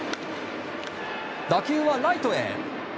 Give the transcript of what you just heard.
打球はライトへ！